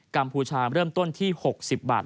มูชาเริ่มต้นที่๖๐บาท